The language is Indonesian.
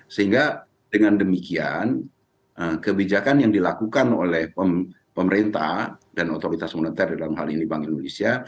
sehingga dengan demikian kebijakan yang dilakukan oleh pemerintah dan otoritas moneter dalam hal ini bank indonesia